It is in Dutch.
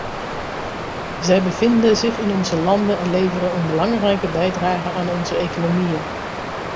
Zij bevinden zich in onze landen en leveren een belangrijke bijdrage aan onze economieën.